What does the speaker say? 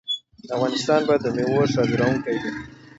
افغانستان به د میوو صادروونکی وي.